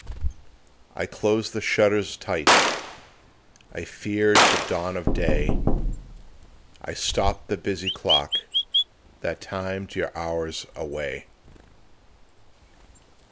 I closed the shutters tight, I feared the dawn of day, I stopped the busy clock That timed your hours away.